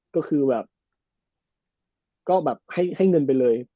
ก็คือแบบให้เงินไปเลย